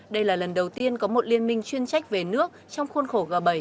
đây là lần đầu tiên có một liên minh chuyên trách về nước trong khuôn khổ g bảy